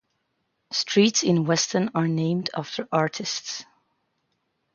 Streets in Weston are named after artists.